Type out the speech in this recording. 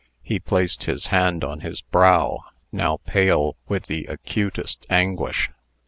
He placed his hand on his brow, now pale with the acutest anguish.